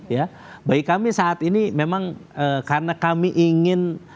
ya bagi kami saat ini memang karena kami ingin